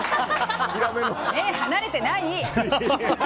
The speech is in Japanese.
目、離れてない！